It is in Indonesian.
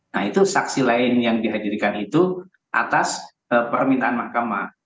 nah itu saksi lain yang dihadirkan itu atas permintaan mahkamah